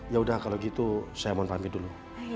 ya udah kalau gitu saya mohon pamit dulu